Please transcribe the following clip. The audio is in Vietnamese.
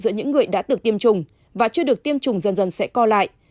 giữa những người đã được tiêm chủng và chưa được tiêm chủng dần dần sẽ co lại